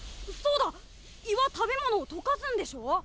そうだ胃は食べ物を溶かすんでしょ？